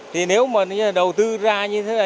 thì nếu mà đầu tư ra như thế là